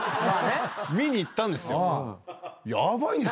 見に行ったんですよ。